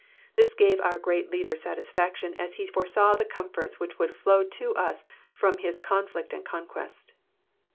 This gave our great leader satisfaction as he foresaw the comforts which would flow to us from his conflict and conquest.